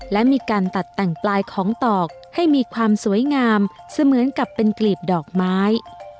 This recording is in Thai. และมีการตัดแต่งปลายของตอกให้มีความสวยงามเสมือนกับเป็นกลีบดอกไม้